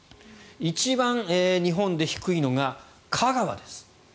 一番日本で低いのが香川です。